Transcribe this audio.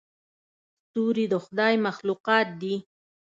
ستوري د خدای مخلوقات دي.